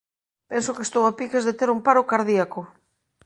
Penso que estou a piques de ter un paro cardíaco.